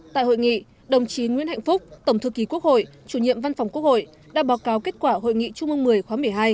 tại hội nghị đồng chí nguyễn hạnh phúc tổng thư ký quốc hội chủ nhiệm văn phòng quốc hội đã báo cáo kết quả hội nghị trung ương một mươi khóa một mươi hai